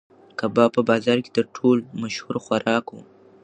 کباب په بازار کې تر ټولو مشهور خوراک و.